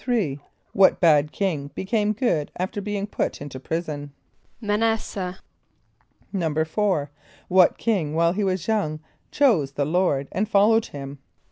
= What bad king became good after being put into prison? =M[+a] n[)a]s´seh.= =4.= What king while he was young chose the Lord and followed him?